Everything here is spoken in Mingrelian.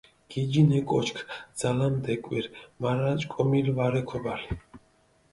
გიჯინ ე კოჩქ, ძალამი დეკვირ, მარა ჭკომილი ვარე ქობალი.